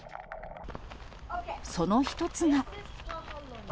その一つが。